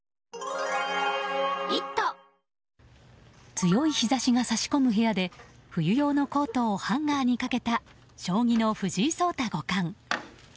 強い日差しが差し込む部屋で冬用のコートをハンガーにかけた将棋の藤井聡太五冠。